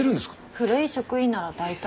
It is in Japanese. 古い職員なら大体。